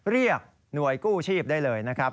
เรียกหน่วยกู้ชีพได้เลยนะครับ